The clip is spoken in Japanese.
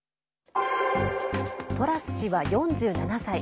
トラス氏は４７歳。